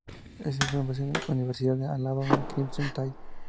Es un base en la universidad de Alabama Crimson Tide.